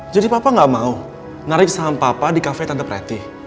jadi papa gak mau tarik saham papa di kafe tante preti